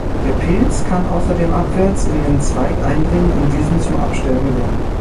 Der Pilz kann außerdem abwärts in den Zweig eindringen und diesen zum Absterben bringen.